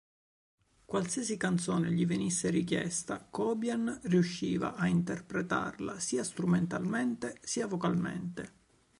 Qualsiasi canzone gli venisse richiesta, Cobain riusciva a interpretarla sia strumentalmente sia vocalmente.